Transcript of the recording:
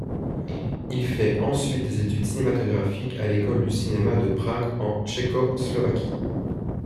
Il fait ensuite des études cinématographiques à l'école du cinéma de Prague en Tchécoslovaquie.